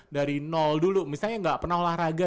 dari nol dulu misalnya nggak pernah olahraga